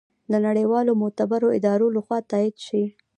د نړیوالو معتبرو ادارو لخوا تائید شي